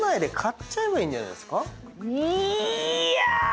いや。